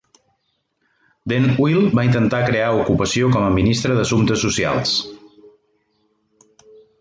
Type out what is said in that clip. Den Uyl va intentar crear ocupació com a ministre d'assumptes socials.